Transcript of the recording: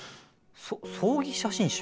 そ葬儀写真集？